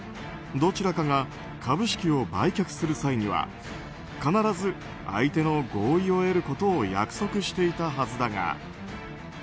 どちらかが株式を売却する際には必ず相手の合意を得ることを約束していたはずだが。